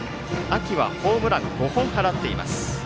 秋はホームラン５本、放ってます。